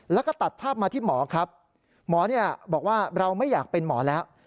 แล้วก็ตัดภาพมาที่หมอครับหมอบอกว่าเราไม่อยากเป็นหมอแล้ว